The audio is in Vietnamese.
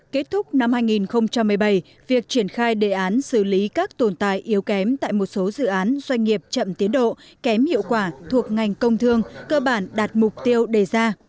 kết thúc năm hai nghìn một mươi bảy việc triển khai đề án xử lý các tồn tại yếu kém tại một số dự án doanh nghiệp chậm tiến độ kém hiệu quả thuộc ngành công thương cơ bản đạt mục tiêu đề ra